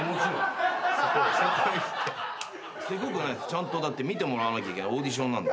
ちゃんと見てもらわなきゃいけないオーディションなんで。